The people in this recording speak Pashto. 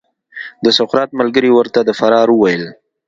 د سقراط ملګریو ورته د فرار وویل.